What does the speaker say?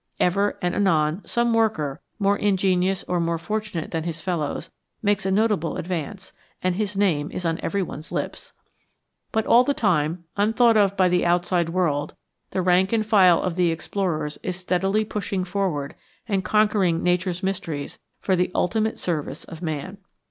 Ever and anon some worker, more ingenious or more fortunate than his fellows, makes a notable advance, and his name is on every one's lips. But all the time, unthought of by the outside world, the rank and file of the explorers is steadily pushing forward and conquering nature's mysteries for the ultimate service of man.